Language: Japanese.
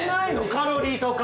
カロリーとか。